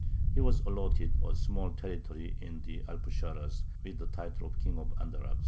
He was allotted a small territory in the Alpuxarras, with the title of King of Andarax.